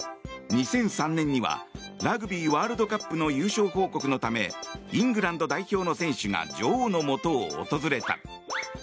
２００３年にはラグビーワールドカップの優勝報告のためイングランド代表の選手が女王のもとを訪れた。